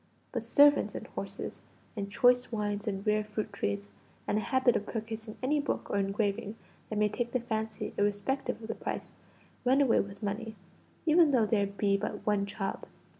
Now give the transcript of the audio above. But servants and horses, and choice wines and rare fruit trees, and a habit of purchasing any book or engraving that may take the fancy, irrespective of the price, run away with money, even though there be but one child.